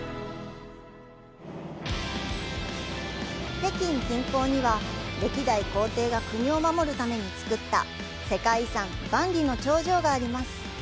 北京近郊には、歴代皇帝が国を守るために造った世界遺産「万里の長城」があります。